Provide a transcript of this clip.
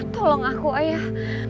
tolong aku ayah